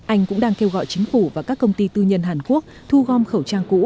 anh cũng đang kêu gọi chính phủ và các công ty tư nhân hàn quốc thu gom khẩu trang cũ